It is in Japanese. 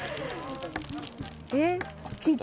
えっ？